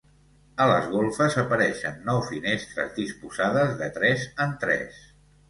A les golfes apareixen nou finestres disposades de tres en tres.